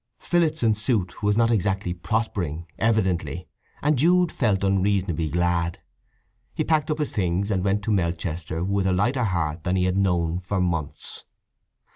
Phillotson's suit was not exactly prospering, evidently; and Jude felt unreasonably glad. He packed up his things and went to Melchester with a lighter heart than he had known for months.